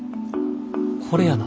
これやな。